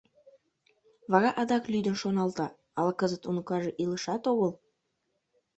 Вара адак лӱдын шоналта: «Ала кызыт уныкаже илышат огыл?